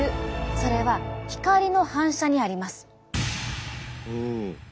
それは光の反射にあります。